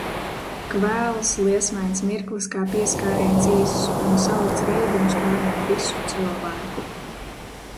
Kvēls liesmains mirklis kā pieskāriens īss un salds reibums pārņem visu cilvēku.